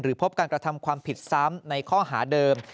พบการกระทำความผิดซ้ำในข้อหาเดิม